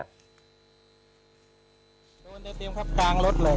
โดนได้เตรียมครับกลางรถเลย